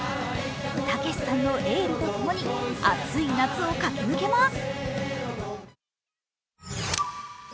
たけしさんのエールとともに暑い夏を駆け抜けます。